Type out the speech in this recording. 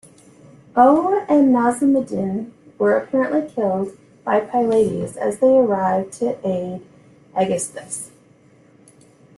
Oeax and Nausimedon were apparently killed by Pylades as they arrived to aid Aegisthus.